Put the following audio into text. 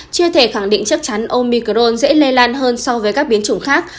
chưa thể khẳng định chắc chắn omicron dễ lây lan hơn so với các biến chủng khác